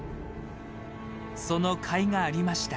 その、かいがありました。